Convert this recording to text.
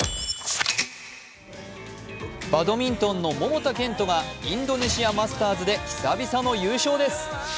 バドミントンの桃田賢斗がインドネシアマスターズで久々の優勝です。